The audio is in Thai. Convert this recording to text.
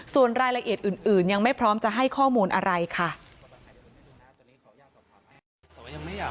ส่วนรายละเอียดอื่นยังไม่พร้อมจะให้ข้อมูลอะไรค่ะ